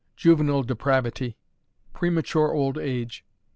Juvenile Depravity. Premature Old Age.